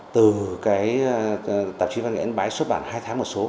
từ tạp chí văn nghệ ấn bái xuất bản hai tháng một số